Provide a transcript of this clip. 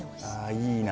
あいいな。